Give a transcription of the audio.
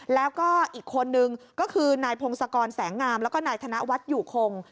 แล้วก็อีกคนนึงก็คือนายพงศกรแสงงามแล้วก็นายธนวัฒน์อยู่คง